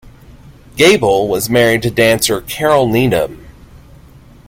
Gable was married to dancer Carole Needham.